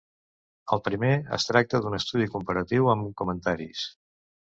El primer es tracta d'un estudi comparatiu amb comentaris.